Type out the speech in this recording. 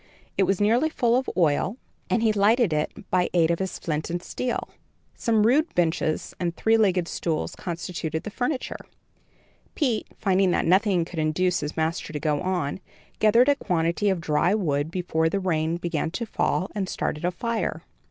It was nearly full of oil, and he lighted it by aid of his flint and steel. Some rude benches and three legged stools constituted the furniture. Pete, finding that nothing could induce his master to go on, gathered a quantity of dry wood before the rain began to fall, and started a fire.